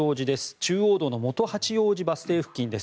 中央道の元八王子バス停付近です。